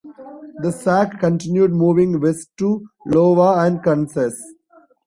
The Sac continued moving west to Iowa and Kansas.